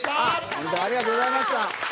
本当ありがとうございました。